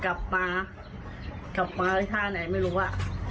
ครับแล้วเสร็จกลับมามาลัยท่าไหนไม่รู้ว่า